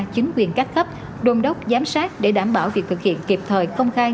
chính quyền các cấp đồn đốc giám sát để đảm bảo việc thực hiện kịp thời công khai